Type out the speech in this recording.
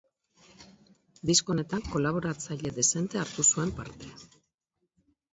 Disko honetan kolaboratzaile dezente hartu zuen parte.